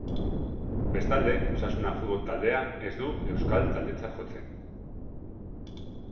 Bestalde, Osasuna futbol taldea ez du euskal taldetzat jotzen.